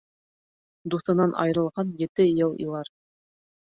Дуҫынан айырылған ете йыл илар